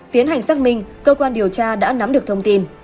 tiến hành xác minh cơ quan điều tra đã nắm được thông tin